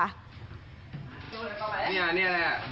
มันมีคนไปเบิ้ลเครื่องรถจักรยานยนต์แล้วเค้าก็ลากคนนั้นมาทำร้ายร่างกาย